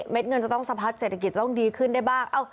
เงินจะต้องสะพัดเศรษฐกิจจะต้องดีขึ้นได้บ้าง